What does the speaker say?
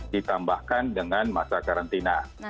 ditambahkan dengan masa karantina